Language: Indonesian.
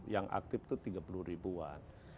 yang aktif itu tiga puluh ribuan